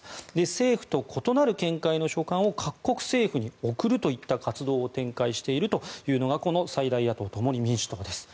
政府と異なる見解の書簡を各国政府に送るといった活動を展開しているというのが最大野党・共に民主党です。